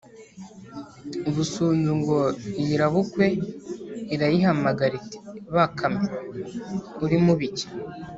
Busunzu ngo iyirabukwe irayihamagara iti Bakame urimubiki